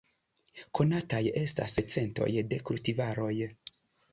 Konataj estas centoj da kultivaroj.